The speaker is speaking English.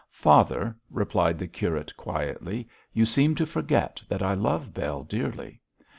'Father,' replied the curate, quietly, 'you seem to forget that I love Bell dearly.